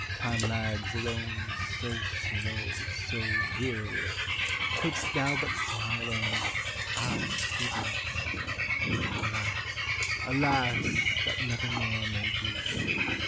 Time lags alone so slow, so wearily; Couldst thou but smile on me, I should be blest. Alas, alas! that never more may be.